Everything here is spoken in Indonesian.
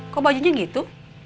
kok bajunya gitu